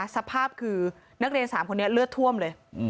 สภาพคือนักเรียน๓คนนี้เลือดท่วมเลย